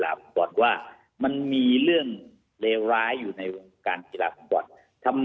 และก็สปอร์ตเรียนว่าคำน่าจะมีการล็อคกรมการสังขัดสปอร์ตเรื่องหน้าในวงการกีฬาประกอบสนับไทย